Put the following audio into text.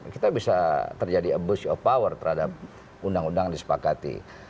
kita bisa terjadi abuse of power terhadap undang undang disepakati